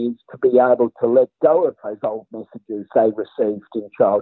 untuk bisa melepaskan pesan pesan lama yang mereka terima sejak kecil